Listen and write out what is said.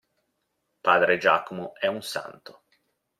Padre Giacomo è un santo.